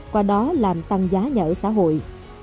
qua đó làm tăng giá nhà ở xã hội